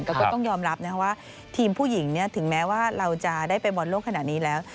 แต่ก็ต้องยอมรับว่าทีมผู้หญิงถึงแม้ว่าเราจะได้ไปบอลโลกขนาดนี้แล้ว